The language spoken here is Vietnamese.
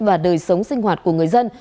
và đời sống sinh hoạt của người dân